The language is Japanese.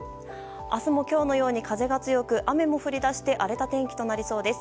明日も今日のように風が強く雨も降り出して荒れた天気となりそうです。